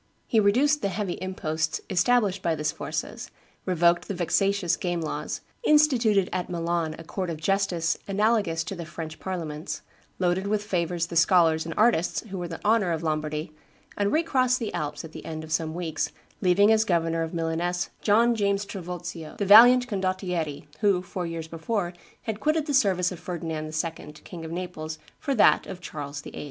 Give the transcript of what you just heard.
He reduced the heavy imposts established by the Sforzas, revoked the vexatious game laws, instituted at Milan a court of justice analogous to the French parliaments, loaded with favors the scholars and artists who were the honor of Lombardy, and recrossed the Alps at the end of some weeks, leaving as governor of Milaness John James Trivulzio, the valiant Condottiere, who, four years before, had quitted the service of Ferdinand II., King of Naples, for that of Charles VIII.